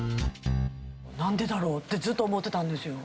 なんでだろう？ってずっと思ってたんですよ。